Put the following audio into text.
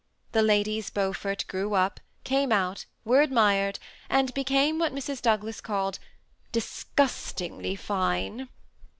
The La dies Beaufort grew up, came out, .were admired, and became what Mrs. Douglas called ^ disgustingly fine."